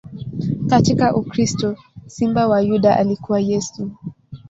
Katika ukristo, Simba wa Yuda alikuwa Yesu.